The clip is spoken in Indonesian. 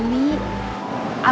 ami itu siapa